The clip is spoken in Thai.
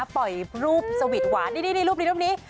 ปล่อยรูปสวีทหวานนี่รูปนี้รูปนี้